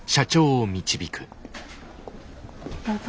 どうぞ。